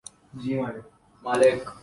بات کرتا ہے۔